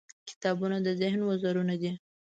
• کتابونه د ذهن وزرونه دي.